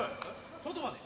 ちょっと待て。